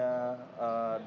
ya itu semuanya